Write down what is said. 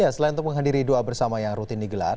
selain untuk menghadiri doa bersama yang rutin digelar